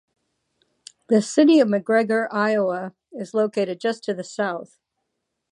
The city of McGregor, Iowa is located just to the south.